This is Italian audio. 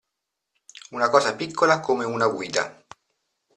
Una cosa piccola come una guida.